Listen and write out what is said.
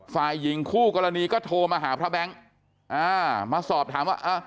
ฝ่ายหญิงคู่กรณีก็โทรมาหาพระแบงค์อ่ามาสอบถามว่าอ่า